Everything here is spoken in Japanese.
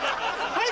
はい！